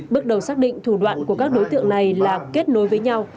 bước đầu xác định thủ đoạn của các đối tượng này là kết nối với nhau